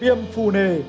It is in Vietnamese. yêm phù nề